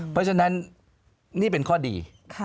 เพราะฉะนั้นนี่เป็นข้อดี